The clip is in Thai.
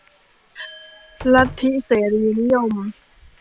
ลัทธิเสรีนิยม